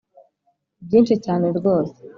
byinshi cyane rwose